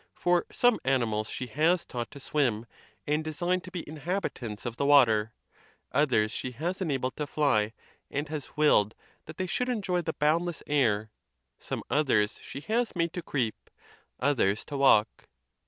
For someganimals she has taught to swim, and designed to be inhabitants of the water; others she has enabled to fly, and has willed that they should enjoy the boundless air; some others she has made to creep, others to walk.